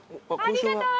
ありがとう！